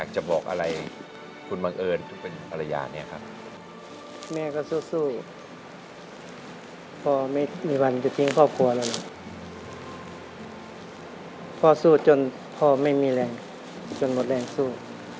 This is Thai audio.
จนหมดแรงสู้